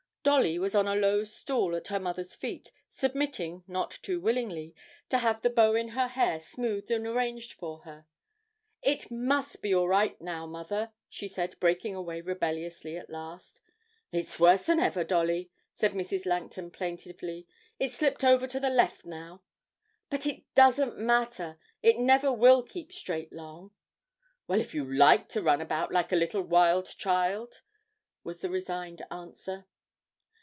Dolly was on a low stool at her mother's feet, submitting, not too willingly, to have the bow in her hair smoothed and arranged for her. 'It must be all right now, mother!' she said, breaking away rebelliously at last. 'It's worse than ever, Dolly,' said Mrs. Langton plaintively; 'it's slipped over to the left now!' 'But it doesn't matter, it never will keep straight long.' 'Well, if you like to run about like a little wild child,' was the resigned answer.